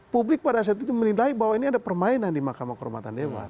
publik pada saat itu menilai bahwa ini ada permainan di mahkamah kehormatan dewan